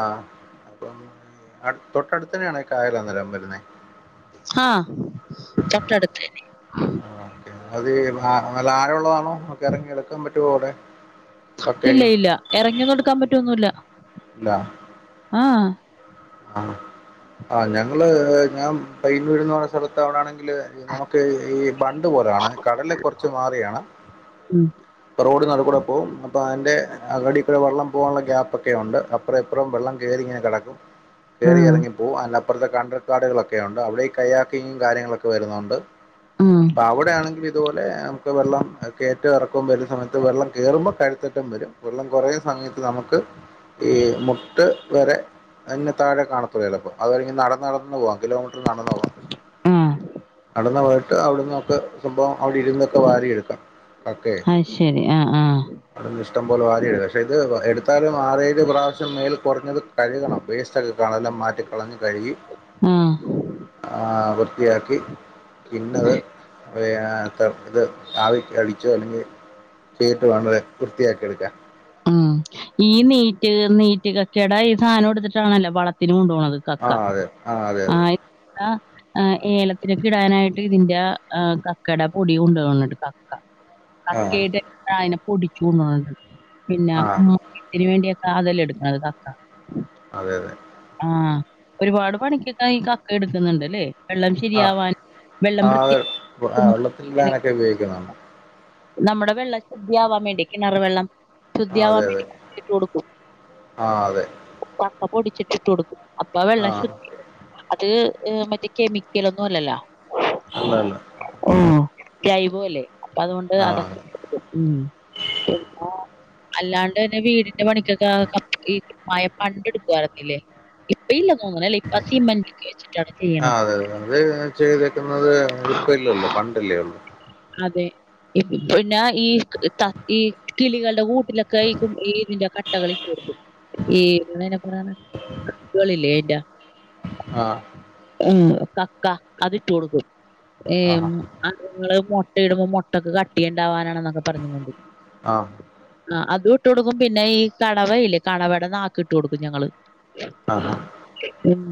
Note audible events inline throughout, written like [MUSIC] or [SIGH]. ആഹ് അപ്പം അ തൊട്ടട്ത്തെന്നാണ് കായലന്നരം വരുന്നേ ആഹ് തൊട്ടടുത്തന്നെ ഓക്കെ അത് ന നല്ല ആഴള്ളതാണോ ഒക്കെ എറങ്ങിഎടുക്കാൻ പറ്റുവോ അവടെ ഇല്ല ഇല്ല എറങ്ങി ഒന്നും എടുക്കാൻ പറ്റൊവൊന്നുല്ല. ല്ലാ ഏഹേ ആഹ്, ആഹ് ഞങ്ങള് ഞാൻ പയ്യന്നൂര്ന്ന് പറഞ്ഞ സ്ഥലത്ത് അവടാണെങ്കില് ഈ നമുക്ക് ഈ ഈ ബണ്ട് പോലാണ് കടല് കൊർച്ച് മാറിയാണ് ഉം. ഇപ്പോ റോഡ് നടുക്കൂടെ പോവും, അപ്പോ അതിന്റെ അടി കൂടെ വെള്ളം പോവാള്ള ഗ്യാപ്പൊക്കെ ഉണ്ട് അ പ്പറം ഇപ്പറം വെള്ളം കേറിങ്ങനെ കെടക്കും. ആ. കേറി ഇറങ്ങിപ്പോവും അതിനപ്പൊർത്തൊക്കെ കണ്ടൽക്കാടുകളൊക്കെയുണ്ട് അവിടെ ഈ കയ്യാക്കിങ് കാര്യങ്ങളൊക്കെ വരുന്നോണ്ട് ഉം. പ്പൊ അവിടെയാണെങ്കിലിതുപോലെ അമുക്ക് വെള്ളം ഏ കേറ്റാ ഇറ ക്കം വരുന്ന സമയത്ത് വെള്ളം കേറുമ്പം കഴുത്തട്ടം വെരും. വെള്ളം കൊറഞ്ഞ സമയത്ത് നമുക്ക് ഈ മുട്ട് വരെ അന്നെ താഴെ കാണത്തു എളുപ്പം അത് കഴിഞ്ഞ് നടന്ന് നടന്ന് പോവാ [UNINTELLIGIBLE] കിലോമീറ്റർ നടന്നാ പോ ആ. നടന്നാ പോയ ട്ട് അവ്ട്ന്നൊക്കെ സംഭവം അവിടെ ഇരുന്നൊക്കെ വാരി എടുക്കാം ആയ്ശെരി ആഹ് ആഹ് അവിടന്ന് ഇഷ്ടം പോലെ വാരിട പക്ഷെ ഇത് വ എട്ത്താലും ആറേഴ് പ്രാവശ്യം മേൽ കുറഞ്ഞത് കഴുകണം വേസ് ട്ട് കളല്ലം മാറ്റിക്കളഞ്ഞു കഴുകി ആ. ആഹ് വൃത്തിയാക്കി പിന്നത് [UNINTELLIGIBLE] ഇത് ആവി കളിച്ചോ അല്ലെങ്കി ചെയ്ട്ട് വേണതെ വൃത്തിയാക്കിയെടുക്കാൻ. ഉം ഈ നീറ്റ് നീറ്റ് കച്ചവട ഈ സാനം എടുത്തിട്ടാണല്ലോ വളത്തിന് കൊണ്ട് പോണത്. ആ കക്ക അതെ ആ അതെ അതെ ആഹ് ഇ ആഹ് ആഹ് ഏലത്തിനൊക്കെ ഇടാനായിട്ട് ഇതിൻ്റെ ആ ആ കക്കടെ പൊടി കൊണ്ടോവുന്നുണ്ട്. കക്ക ആ കക്കയുടെ ആയനെ പൊടിച്ചു കൊണ്ടു വന്നുട്ട്ണ്ട് പിന്നെ ആ [UNINTELLIGIBLE] വേണ്ടിയ കാതല്ലെ എടുക്കണത് കക്ക അതെ അതെ ആഹ് ഒരുപാട് പണിക്കൊക്കെ ഈ കക്ക എട്ക്ക്ന്ന്ണ്ട്ല്ലേ വെള്ളം ആ ശരിയാവാൻ വെള്ളം വൃത്തിയാ [UNINTELLIGIBLE] എല്ലാനൊക്കെ ഉപയോഗിക്കുന്നാണ് നമ്മുടെ വെള്ളം ശുദ്ധിയാവാൻ വേണ്ടി കിണർ വെള്ളം ആ ശുദ്ധിയാവാൻ അതെ അതെ വേണ്ടി ഇട്ട് കൊടുക്കും ആ അതെ കക്ക പൊടിച്ചിട്ട് ഇട്ട് കൊടുക്കും അപ്പ ആ വെള്ളം ശുദ്ധിയാ അത് അ് മറ്റേ കെമിക്കലൊന്നും അല്ലല്ലോ അല്ല അല്ല ആഹ്, ജൈവോ അല്ലേ അപ്പൊ അതുകൊണ്ട് ആ അതൊക്കെ ഉം, പിന്നെ അല്ലാണ്ടെന്നെ വീടിന്റെ പണിക്കൊക്കെ ആ ക ഈ മഴ പണ്ടെടുക്കുവാരുന്നില്ലേ ഇപ്പൊ ഇല്ല അങ്ങനല്ല ഇപ്പ സിമെന്റ്‌ തേച്ചിട്ടാണ് ചെയ്യണെ ആഹ് അതെ അതെ അത് ചെയ്തേ ക്കുന്നത് ഇപ്പ ഇല്ലല്ലോ പണ്ടല്ലേ ഒള്ളു അതെ ഇപ്പൊ പിന്നെ ഈ ത ഈ കിളികളുടെ കൂ ട്ടിലൊക്കെ ഈ കു ഈ ഇതിന്റെ കട്ടകളിട്ട് കൊടുക്കും ഈ ഇങ്ങനെ അങ്ങനാണ് കക്കുകളില്ലേ അയിന്റെ ആഹ് ഉം, കക്ക, അതിട്ട് കൊടുക്കും. ഏ ആഹാ അതു ങ്ങള് മൊ ട്ട, യിടുമ്പോൾ മൊട്ടക്ക് കട്ടിയിണ്ടാവാനാണെ ന്നൊക്കെ പറഞ്ഞു കൊണ്ട്. ആ ആഹ്, അതും ഇട്ടു കൊടുക്കും. പിന്നെ ഈ കണവയില്ലേ? കണവേട നാക്ക് ഇട്ട് കൊടുക്കും, ഞങ്ങള്. ആഹാ ഉം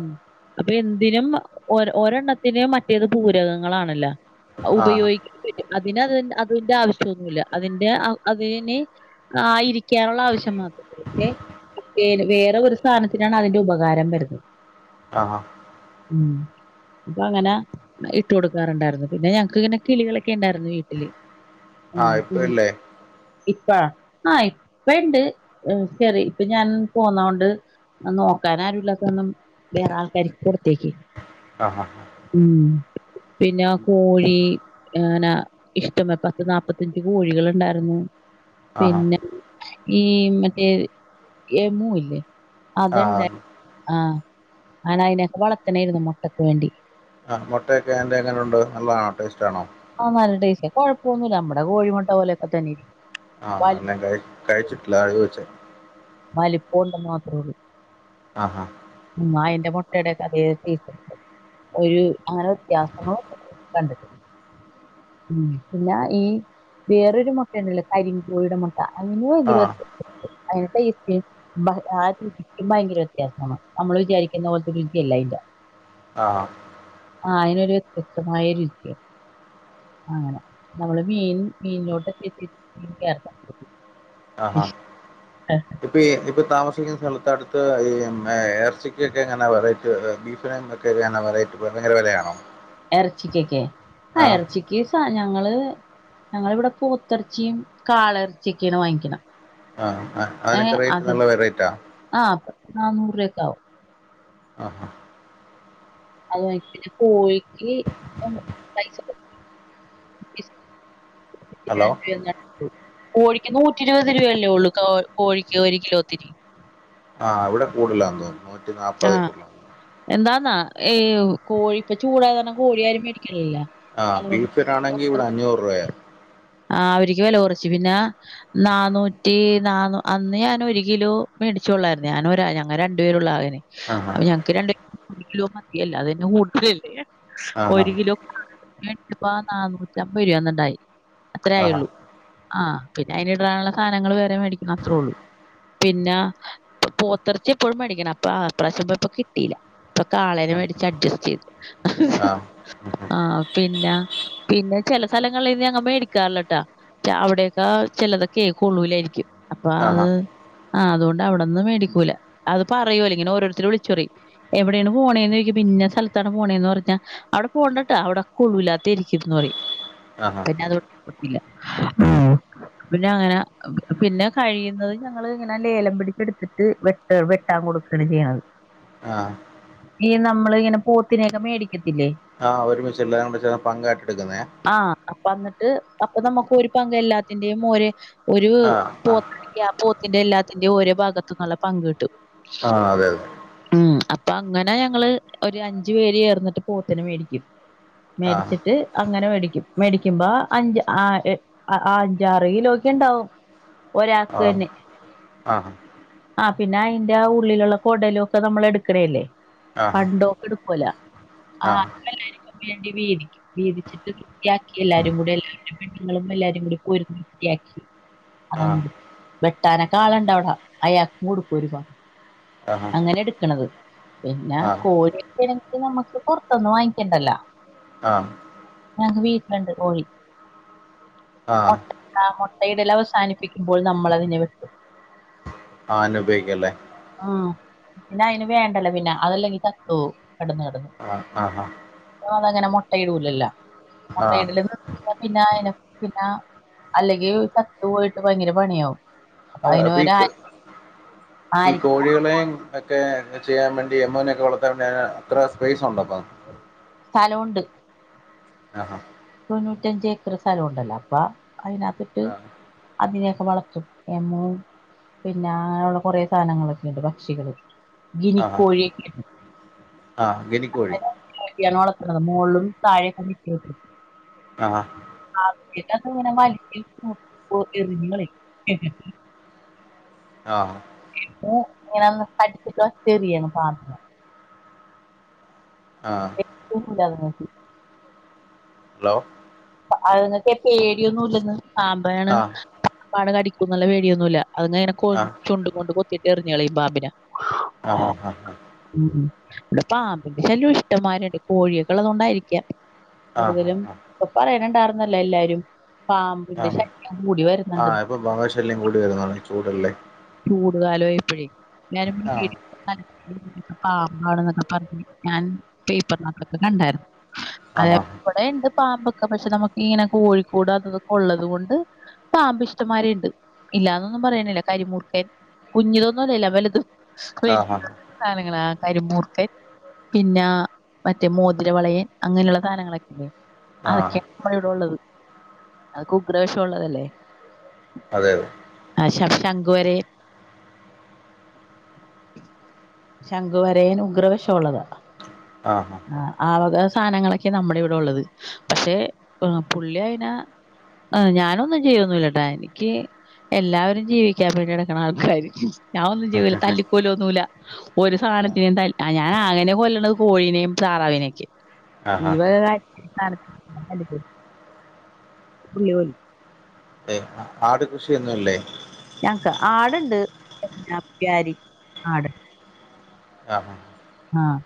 അപ്പൊ, എന്തിനും, ഒരെ, ഒരെ ണ്ണത്തിനു മറ്റേത് പൂരകങ്ങളാണല്ലോ? അത് ആ ഉപയോഗി അതിന് അതിന്റെ ആവശ്യ ഒന്നുവില്ല. അതിന്റെ അതിന് ആയിരി ക്കാനുള്ള ആവശ്യം മാത്രം. പക്ഷേ, വേറെ ഒരു സാധനത്തിനാണ് അതിന്റെ ഉപകാരം വരുന്നത്. ആഹ് ഉം, അപ്പൊ, അങ്ങനെ ഇട്ട് കൊടുക്കാറുണ്ടായിരുന്നു. പിന്നെ ഞങ്ങക്ക് ഇങ്ങനെ കിളികളെ ക്കെണ്ടായിരുന്നു വീട്ടില്. ആ ആഹ്, ഇപ്പ കിളി ഇല്ലേ ഇപ്പ ആഹ്, ഇപ്പ ഇണ്ട്. ശരി ഇപ്പൊ ഞാൻ പോന്നോണ്ട്. നോക്കാനാരുല്ലാത കാരണം, വേറെ ആൾക്കാർക്ക് കൊടുത്തേക്ക്. ആ ഹ ഉം, പിന്നെ കോഴി. ഏന ഇഷ്ടം പത്ത് നാപ്പത്തഞ്ച് കോഴികളൊ ണ്ടാരുന്നു. ആഹാ പിന്നെ ഈ മറ്റേ എമു ഇല്ലേ? ആ അതിണ്ട ആഹ്, ഞാന അയിനൊക്കെ വളർത്തണായാരുന്നു മൊട്ടക്ക് വേണ്ടി. ആഹ്, മൊട്ടയൊക്കെ അയ്ന്റെ എങ്ങനൊണ്ട്, നല്ലതാണോ? ടേസ്റ്റ് ആണോ? ആഹ്, നല്ല ടേസ്റ്റ കൊഴപ്പൊന്നൂല്ല. നമ്മടെ കോഴിമൊട്ട പോലൊ ക്കെ തന്നെയിരിക്കും. ആഹ്, എന്നാ കഴ കഴിച്ചിട്ടില്ല. അതാ ചോയ്ച്ചെ. വലിപം ഉണ്ടന്ന് മാത്രെ ഒള്ളൂ. ആ ഹാ ഉം, അയിന്റെ മൊട്ടേടെ ക്കെ അതേ ടെസ്റ്റ് ഉണ്ട്. ഒരു അങ്ങനെ വ്യത്യാസങ്ങളൊക്ക കണ്ടിട്ട് ഉം, പിന്നെ ഈ വേറൊരു മൊട്ടേണ്ടല്ലൊ? കരിം കോഴീടെ മൊട്ട. അയ്ന് ആ [UNINTELLIGIBLE] അയ്ന് ടേസ്റ്റ് [UNINTELLIGIBLE] ഭയങ്കര വ്യത്യാസമാ നമ്മള് വിചാരിക്കുന്ന പോലത്തെ രുചിയല്ല അയ്ന്റെ. ആഹ് ആഹ്, അയിനൊരു വ്യത്യസ്തമായ രുചിയ. അങ്ങനെ, മോള് മീൻ മീനിലോട്ട് [UNINTELLIGIBLE] ആഹാ ഇപ്പ, ഇ ഇപ്പ താമസിക്കുന്ന സ്ഥലത്ത് അടുത്ത് ഈ എറച്ചി ക്കൊക്കെ എങ്ങന വെറൈറ്റി ബീഫിന്. [UNINTELLIGIBLE] വെറയ്റ്റി ഭയങ്കര വെലയാണോ? എറച്ചിക്കെക്കെ, ആഹം എറച്ചി. ക്ക്സ ഞങ്ങള് ഞങ്ങളിവിടെ, പോ ത്തിറച്ചി കാള എറച്ചിയൊക്കെയാണ് വാങ്ങിക്കണ. ആഹ്, ആഹ് അതിനൊക്കെ റേറ്റ് നല്ല റേറ്റാ. ആഹ് പത്ത്, നാന്നൂറൂ, രൂപ ഒക്കെ ആകും. ആഹ് ആഹ് അത് പിന്നെ കോഴിക്ക് പൈസ. [UNINTELLIGIBLE] ഹലോ [UNINTELLIGIBLE] കോഴിക്ക് നൂറ്റി ഇരുപത് രൂപയല്ലേ ഒള്ളൂ, കോ കോഴിക്ക് ഒരു കിലോത്തിന്. ആഹ്, അവടെ കൂടുലാനോന്നണു ആ നൂറ്റിനാപ്പതേ ഇപ്പൊള്ളു. എന്താന്നാ, ഈ കോഴി ഇപ്പ ചൂടായ കാ രണം, കോഴിയാരും മേടിക്കണില്ല. ആഹ്, അതുകൊണ്ട് ബീഫിനാണെങ്കി ഇവിടെ അഞ്ഞൂറൂ വയ. ആഹ് അവരിക്ക് വെല കൊറച്ച് പിന്ന നാന്നൂറ്റി നാന്നൂ അന്ന് ഞാന് ഒരു കിലോ മേടിച്ചൊള്ളാരുന്നു ഞാന് ഒരാ ഞങ്ങ രണ്ടുപേരുള്ള ആകെ ആഹ് അപ്പൊ ഞങ്ങക്ക് രണ്ട് കിലോ മതിയല്ല അതന്നെ കൂടുതലല്ലേ ആഹ് ഒരു കിലോ എൻക്കിപ്പ നാനൂറ്റമ്പത് രൂപന്നുണ്ടായി അത്രെ ആഹ് ആയൊള്ളൂ ആഹ് പിന്നെ അയ്ന് ഇടാനുള്ള സാധനങ്ങള് വേറെ മേടിക്കണം അത്രേള്ളൂ പിന്ന പോത്തെറച്ചി എപ്പഴും മേടിക്കണം അപ്പൊ അപ്രാവിശ്യം പോയപ്പ കിട്ടീല്ല അപ്പ കാളേനെ മേടിച്ച് അഡ്ജസ്റ്റ് ചെയ്ത് ആഹ് ആഹ് പിന്ന പിന്നെ ചില സ്ഥലങ്ങളീന്ന് ഞങ്ങ മേടി ക്കാറില്ലാട്ടാ ചവിടക്കെ ചെലതൊക്കെ കൊള്ളൂല്ലാരിക്കും അപ്പ ആഹ് ആഹ് അത് ആഹ് അതോണ്ട് അവിടന്ന് മേടിക്കൂല അത് പറയൂല്ല ഇങ്ങനെ ഓരോരുത്തരും വിളിച്ചുറയും എവിടെയാണ് പോണേന്ന് ചോയിക്കമ്പ ഇന്ന സ്ഥലത്താണ് പോണേന്ന് പറഞ്ഞ അവ്ടെ പോണ്ടട്ടാ അവിടെക്കെ കൊള്ളൂല്ല തെരിക്കീന്ന് പറയും ആഹ് അതോണ്ട് കൊർത്തീല പിന്ന അങ്ങന പിന്നെ കഴിയുന്നതും ഞങ്ങള് ഇങ്ങനെ ലേലം പിടിച്ചെടുത്തിട്ട് വെട്ട് വെട്ടാൻ കൊടുക്കാണ് ചെയ്യണത് ആഹ് ഈ നമ്മള് ഇങ്ങനെ പോത്തിനെയൊക്കെ മേടിക്കത്തില്ലേ ആഹ് ഒരുമിച്ച് എല്ലാം കൂടെ ചേർന്ന് പങ്കായിട്ട് എടുക്കുന്നെ ആഹ് അപ്പ എന്നിട്ട് അപ്പൊ നമുക്ക് ഒരു പങ്ക് എല്ലാത്തിന്റെയും ഒരേ ഒരു ആഹ് പോ ആഹ് ആഹ് പോത്തിന്റെ എല്ലാത്തിന്റേം ഓരോ ഭാഗത്തുന്നുള്ള പങ്ക് കിട്ടും ആഹ് അതെ അതെ. ഉം അപ്പൊ അങ്ങനെ ഞങ്ങള് ഒരു അഞ്ചു പേര് ഏർന്നിട്ട് പോത്തിന മേടിക്കും. ആഹ് മേടിച്ചിട്ട് അങ്ങനെ മേടിക്കും മേടിക്കുമ്പോ അഞ്ച് ആഹ് ആഹ് അഞ്ചാറയിലോക്കെ ഇണ്ടാവും ഒരാക്കന്നെ. ആഹാ ആഹ് പിന്നെ അയ്ന്റെ ആഹ് ഉള്ളിലുള്ള കൊടലും ഒക്കെ നമ്മൾ എടുക്കണേല്ലേ. ആഹ് ആഹ് പണ്ടൊക്കെ എടുക്കൂല ആഹ് എല്ലാവർക്കും വേണ്ടി വീതിക്കും വീതിച്ചിട്ട് വൃത്തിയാക്കി എല്ലാരും കൂടെ എല്ലാ ങ്ങളും എല്ലാരും കൂടി പോയിരുന്ന് വൃത്തിയാക്കി അതങ്ങ്ട് വെട്ടാനൊക്കെ ആള്ണ്ടവിടെ അയാൾക്ക് കൊടുക്കും ഒരു അങ്ങനെ എടുക്കണത്. പിന്നെ ആഹ് കോഴിക്കണെങ്കി നമ്മുക്ക് പുറത്തൊന്നും വാങ്ങിക്കണ്ടല്ല. ആഹ്. ഞങ്ങക്ക് വീട്ടില്ണ്ട് കോഴി. ആഹ് മൊട്ട ആ മൊട്ടയിടൽ അവസാനിപ്പിക്കുമ്പോൾ നമ്മൾ അതിനെ വെട്ടും ആഹ് ഉപയോഗിക്കല്ലേ. ഉം പിന്നെ അയിനെ വേണ്ടല്ലേ പിന്നെ അതല്ലെങ്കി ചത്തോവും കെടന്ന് കിടന്ന് ആഹ് ആഹ് ആഹ് അതങ്ങനെ മുട്ടയിടൂലല്ലോ മുട്ടയിട പിന്നെ അയി പിന്ന അല്ലെങ്കി ചത്ത് പോയിട്ട് ഭയങ്കര പണിയാവും. ആഹ് അയിന് അപ്പൊ ഈ പകരം ആ ഈ ആര്യക്ക് കോഴികളേം മറ്റേ ചെയ്യാൻ വേണ്ടി എമൂനെക്കെ വളത്താൻ വേണ്ടി അന അത്ര സ്പേസ് ഉണ്ടന്നോ സ്ഥലൊണ്ട്. ആഹാ തൊണ്ണൂറ്റഞ്ച് ഏക്കർ സ്ഥലോണ്ടല്ലോ അപ്പ അതിനകത്തിട്ട് ആ അതിനെയൊക്കെ വളർത്തും എമു പിന്നെ അങ്ങനെയുള്ള കുറെ സാധനങ്ങളൊക്കെയുണ്ട് പക്ഷികള് ഗിനിക്കോഴി ആഹ് ഗിനിക്കോഴി. [UNINTELLIGIBLE] മോൾളും തായെ [UNINTELLIGIBLE] ആഹ് [INAUDIBLE] ആഹ്. ഏഹ് ഇങ്ങനന്ന് പഠിച്ചിട്ട [UNINTELLIGIBLE] ആഹ്. [UNINTELLIGIBLE] ഹലോ. പ്പ അത്ങ്ങക് പേടിയൊന്നും ഇല്ലന്ന് സാമ്പാണ് ആ [UNINTELLIGIBLE] കടിക്കുംന്നല്ല പേടിയൊന്നുംല്ല അത്ങ്ങ അങ്ങനെ കൊ ആ ചുണ്ട് കൊണ്ട് കൊത്തിട്ട് എറിഞ്ഞളെയും ബാമ്പിനെ. ആഹ് ആഹ് ആഹ് ആഹ്. ഉം ഇവിടെ പാമ്പിന്റെ ശല്യം ഇഷ്ടമാരുണ്ട് കോഴിയൊക്കെ ള്ളതോണ്ടായിരിക്ക ആ കൂടുതലും ആ ആ ഇപ്പൊ പറയണണ്ടർന്നല്ല എല്ലാരും. പാമ്പിന്റെ ആഹ് ശല്യം കൂടി വരുന്നുണ്ട് ആഹ് ഇപ്പം പാമ്പ് ശല്യം കൂടി വരുന്നാണ് ചൂടല്ലേ. ചൂടുകാലമായിപ്പോഴേ ഞാന ആ പാമ്പാണ് ന്നൊക്കെ പറഞ്ഞ് ഞാൻ പേപ്പറിനക്കൊക്കെ കണ്ടായിരുന്നു. ആ അതെ ഇവിടെ ഉണ്ട് പാമ്പൊക്കെ പക്ഷെ നമുക്ക് ഇങ്ങനെ കോഴിക്കൂട അതുതൊക്കെ ഉള്ളത് കൊണ്ട് പാമ്പ് ഇഷ്ടമാരിണ്ട് ഇല്ലാന്നൊന്നും പറയണില്ല കരിമൂർക്കൻ കുഞ്തൊന്നുല്ലല്ല വലുതും. ആ ആ [UNINTELLIGIBLE] സാനങ്ങളാ കരിമൂർക്കൻ പിന്നെ മറ്റേ മോതിരവളയൻ അങ്ങനെയുള്ള സധങ്ങളൊക്കെല്ലേ. ആ അഒക്കെ വടെടോള്ളത് അതക്കെ ഉഗ്രവശം ഉള്ളതല്ലേ. അതെ അതെ. ആഹ് ശ ശങ്കുവരെയൻ. ശംഖുവരയൻ ഉഗ്രവശമുള്ളതാ. ആ ആ ആഹ് ആ വക സാനങ്ങളൊക്കെ നമ്മുടെ ഇവിടെ ഉള്ളത്. പക്ഷെ പുള്ളിയതിന ഞാനൊന്നും ചെയ്യൊന്നില്ലട്ടാ എനിക്ക്. എല്ലാവരും ജീവിക്കാൻ വേണ്ടിടുക്കുന്ന ആൾക്കാർ ഞാൻ ഒന്നും ചെവ്വ്‌ല്ല തല്ലികൊല്ലോന്നുല്ല. ഒരു സാനത്തിനെയും ത ഞാൻ അങ്ങനെ കൊല്ലണത് കോഴീനിം താറാവിനെയൊക്കെ. ഈ ആ ആ വക കാര്യാ [INAUDIBLE] ആട് കൃഷിയൊന്നുല്ലേ? ഞങ്ങക്ക് ആടുണ്ട് ജംനാ പ്യാരി ആട്. അഹ് ഹാ ആഹ്.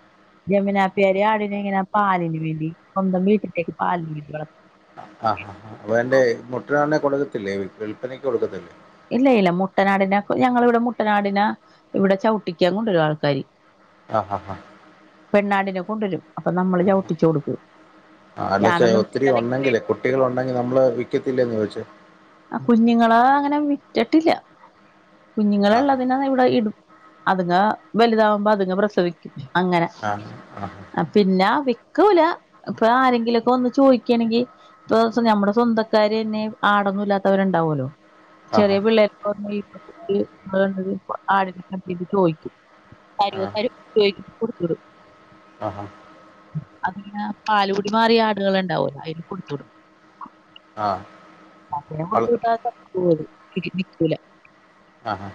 ജമീനാപ്പ്യരി ആടിനെ ഇങ്ങനെ പാലിന് വേണ്ടി സ്വന്തം വിട്ടിലേക്ക് പാലിന് വേണ്ടി വള ആഹ് ഹാ ഹാ വേണ്ടേ മുട്ടനാട്നെ കൊടുക്കത്തില്ലേ വിൽപ്പനയ്ക്ക് കൊടുക്കത്തില്ലേ. ഇല്ല ഇല്ല മുട്ടനാടിനെ ഞങ്ങള് ഇവിടെ മുട്ടനാടിന ഇവിടെ ചവിട്ടിക്കാൻ കൊണ്ടൊരു ആൾക്കാാര്. ആഹ് ഹാ ഹാ. പെണ്ണാടിനെ കൊണ്ടുവരും അപ്പൊ നമ്മള് ചവിട്ടിച്ചു കൊടുകും. ആല്ലച്ച ഒത്തിരി ഉണ്ടെങ്കിലേ കുട്ടികള ഉണ്ടെങ്കി നമ്മള് വിക്കത്തില്ലന്ന് ചോദിച്ചേ? ആഹ് കുഞ്ഞുങ്ങളാ അങ്ങനെ വിറ്റട്ടില്ല ആ ഹാ കുഞ്ഞുങ്ങളള്ളതിനാ ഇവിടെ ഇടു അത്ങ്ങ വലുതാവുമ്പോ അതുങ് പ്രസവിക്കും അങ്ങനെ. ആ ഹാ പിന്നെ വിക്കൂല ഇപ്പൊ ആരെങ്കിലുംക്കെ ഒന്ന് ചോദിക്കയാണെങ്കിൽ. ഇപ്പൊ നമ്മുടെ സ്വന്തക്കാര്ന്നെ ആടൊന്നും ഇല്ലാത്തവരുണ്ടാവുമല്ലോ ആ ഹാ ചെറിയ പിള്ള ആടി [INAUDIBLE] കണ്ട് ചോദിക്കും. [UNINTELLIGIBLE] ആഹാ. അതിനെ പാലുകുടി മാറിയ ആടുകൾ ഉണ്ടാവൂല അതിന് കൊടുത്തു ആഹ്. അങ്ങെ കൊടുത്ത് കിട്ടാത്ത പോത് പിക്നിക്കൂല ആ ഹാ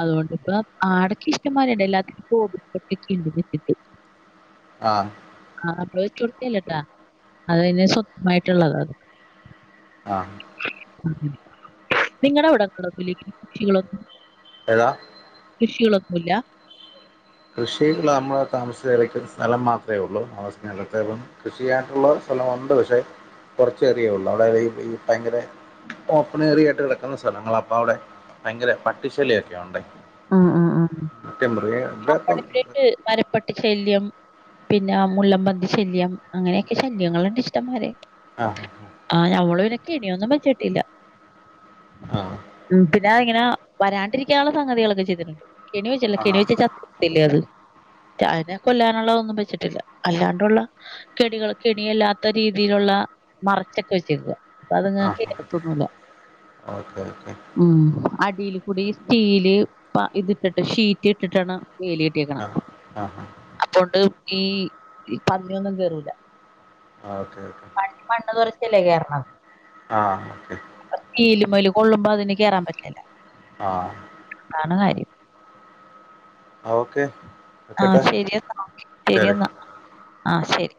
അതുകൊണ്ട്പ്പ ആടൊക്കെ ഇഷ്ടന്മാരുണ്ട് എല്ലാത്തിനുംക്കണ്ട്. ആഹ്. ആഹ് അപ്പ ചുടുത്തില്ലട്ടാ അത്നെ സ്വന്തമായിട്ടുള്ളതാ അത്. ആഹ്. നിങ്ങളുടെ ഇവിടക്കേ [UNINTELLIGIBLE] എതാ കൃഷികളൊന്നുല്ല. കൃഷി നമ്മളൾ താമസച്ച് രക്കുന്ന സ്ഥലം മാത്രമേ ഉള്ളൂ [UNINTELLIGIBLE] കൃഷി ചെയ്യാനുള്ള സ്ഥലമുണ്ട് പക്ഷെ. കോറച്ച് ഏറിയ ഉള്ളൂ അവിടെ ഈ ഭയങ്കര ഓപ്പൺ ഏറിയ ആയിട്ട് കിടക്കുന്ന സ്ഥലങ്ങള അപ്പ അവിടെ. ഭയങ്കര പട്ടിശല്ലിയൊക്കെയണ്ട്. ആഹ് ആഹ് ആഹ് ഇപ്പം അപ്പഴക്ക് വരപട്ട് ശല്യം. പിന്നെ മുല്ലമ്പന്തി ശല്യം അങ്ങനെയൊക്കെ ശല്യങ്ങളുണ്ട് ഇഷ്ടന്മാരെ. ആഹ്. ആഹ് ഞമ്മള് പിന്നെ കെനിയൊന്നും വച്ചിട്ടില്ല. ആഹ്. ഉം പിന്നെ ഇങ്ങനെ വരാണ്ടിരിക്കാനുള്ള സംഗതികൾ. ചെയ്തിട്ടണ്ട് കെണിവെച്ചില്ല ആ ആ കെണി ചത്തു അതിനെ കൊല്ലാനുള്ളതൊന്നും വെച്ചിട്ടില്ല അല്ലാണ്ടുള്ള കെണികൾ കെണിയല്ലാത്ത രീതിയിലുള്ള മറച്ചൊക്കെ വെച്ചുക അപ്പൊ ആ അത്ങ്ങക്കത്തൊന്നുമില്ല ഓക്കെ ഒക്കെ ഉം അടിൽ കൂടി സ്റ്റീല് ബാക്കി ഇത്ട്ടിട്ട് ഷീറ്റ് ഇട്ടിട്ടാണ് വേലി കിട്ടിയേക്കണം ആഹ് അപ്പൊണ്ട് ഈ പന്നിഒന്നും കേയറൂല ആ ഓക്കെ ഓക്കെ പ പണ്ണ് കുറച്ചില്ലേ കേയറണത് ആ ഓക്കെ സ്റ്റീൽമ്മേ കൊള്ളുമ്പോ അതിന് കേയറാൻ പറ്റില്ല ആഹ് അതാണ് കാര്യം ഓക്കെ ആഹ് വെക്കട്ടെ ശരിയെന്നാ ശരി ശരിയെന്നാ ആഹ് ശരി